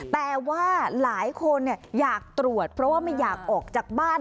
แต่ว่าหลายคนอยากตรวจเพราะว่าไม่อยากออกจากบ้าน